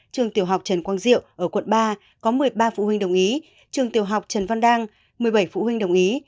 trường tiểu học trần quang diệu ở quận ba có một mươi ba phụ huynh đồng ý trường tiểu học trần văn đăng một mươi bảy phụ huynh đồng ý